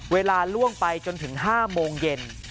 ล่วงไปจนถึง๕โมงเย็น